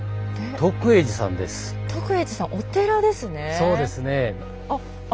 徳永寺さんお寺ですね。